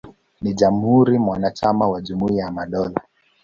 Ni jamhuri mwanachama wa Jumuiya ya Madola.